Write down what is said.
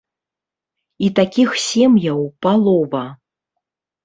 І такіх сем'яў палова.